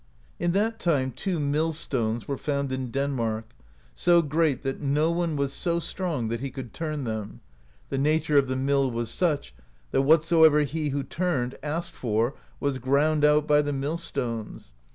In that time two mill stones were found in Denmark, so great that no one was so strong that he could turn them : the nature of the mill was such that whatsoever he who turned asked for, was ground out by the mill stones.